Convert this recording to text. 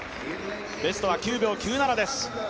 ベストは９秒９７です。